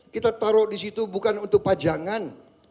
kita taruh di situ bukan untuk pajangan